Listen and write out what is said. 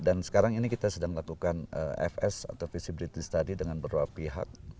dan sekarang ini kita sedang melakukan fs atau visibility study dengan berdua pihak